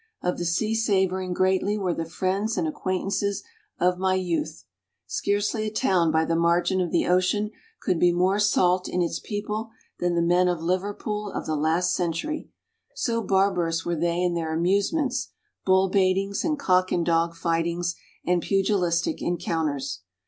Of the sea savouring greatly were the friends and acquaintances of my youth. Scarcely a town by the margin of the ocean could be more salt in its people than the men of Liverpool of the last century: so barbarous were they in their amusements, bull baitings and cock and dog fightings, and pugilistic encounters.